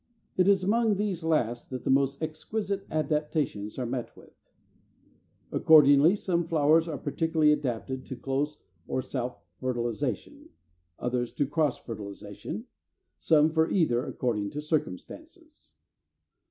It is among these last that the most exquisite adaptations are met with. 331. Accordingly, some flowers are particularly adapted to close or self fertilization; others to cross fertilization; some for either, according to circumstances.